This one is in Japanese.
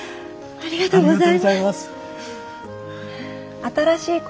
ありがとうございます。